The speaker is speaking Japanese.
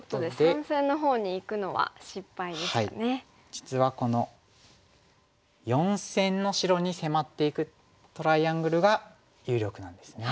実はこの四線の白に迫っていくトライアングルが有力なんですね。